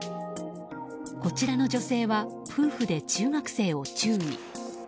こちらの女性は夫婦で中学生を注意。